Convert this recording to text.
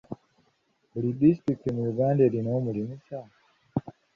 Buli disitulikiti mu Uganda erina omulimisa?